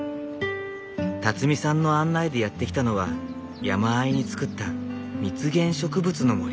さんの案内でやって来たのは山あいに作った蜜源植物の森。